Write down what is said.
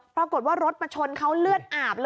ปรากฏรสมาชนเค้าเลือดอาบ